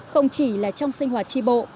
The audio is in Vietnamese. không chỉ là trong sinh hoạt tri bộ